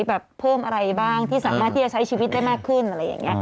แบบเพิ่มอะไรบ้างที่สามารถที่จะใช้ชีวิตได้มากขึ้นอะไรอย่างนี้